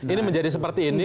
ini menjadi seperti ini